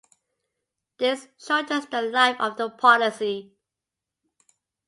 This shortens the life of the policy.